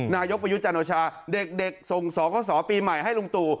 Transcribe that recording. นายกประยุจจันทรชาเด็กส่งสรกศาสตร์ปีใหม่ให้ลุงตู่